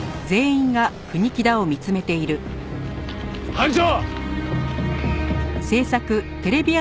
班長！